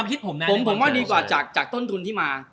ผมว่าดีกว่าจากต้นทุนที่มา